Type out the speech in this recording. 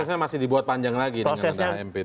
prosesnya masih dibuat panjang lagi dengan adanya mpt